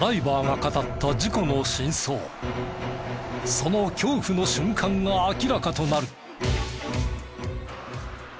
その恐怖の瞬間が明らかとなる。